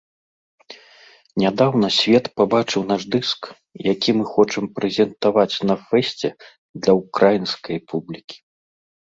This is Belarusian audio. Нядаўна свет пабачыў наш дыск, які мы хочам прэзентаваць на фэсце для ўкраінскай публікі.